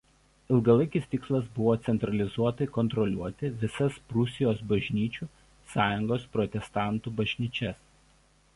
Ilgalaikis tikslas buvo centralizuotai kontroliuoti visas Prūsijos bažnyčių sąjungos protestantų bažnyčias.